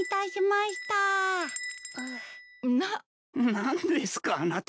何ですかあなたは。